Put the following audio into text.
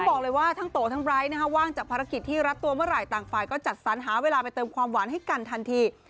บอกเลยว่าทั้งโตทั้งไร้ว่างจากภารกิจที่รัดตัวเมื่อไหร่ต่างฝ่ายก็จัดสรรหาเวลาไปเติมความหวานให้กันทันที